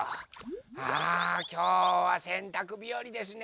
あきょうはせんたくびよりですね！